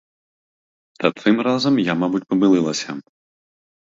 Та цим разом я, мабуть, помилилася.